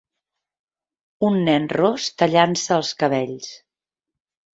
Un nen ros tallant-se els cabells.